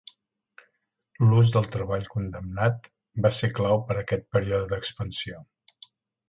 L'ús del treball condemnat va ser clau per a aquest període d'expansió.